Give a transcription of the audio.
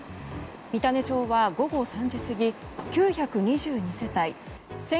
三種町は午後３時過ぎ９２２世帯